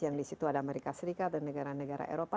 yang di situ ada amerika serikat dan negara negara eropa